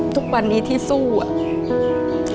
ทุกวันนี้ที่สู้อะ